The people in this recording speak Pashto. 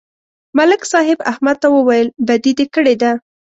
ملک صاحب احمد ته وویل: بدي دې کړې ده